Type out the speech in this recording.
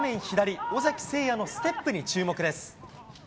左尾崎晟也のステップに注目です。